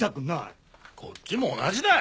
こっちも同じだ。